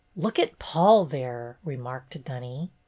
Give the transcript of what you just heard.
"Look at Paul, there," remarked Dunny.